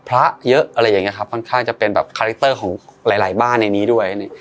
เยอะอะไรอย่างนี้ครับค่อนข้างจะเป็นแบบคาแรคเตอร์ของหลายหลายบ้านในนี้ด้วย